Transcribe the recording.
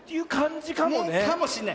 かもしんない。